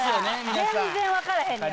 全然分からへんよ。